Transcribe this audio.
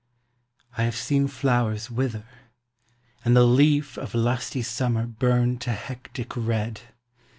I have seen flowers wither and the leaf Of lusty Summer burn to hectic red.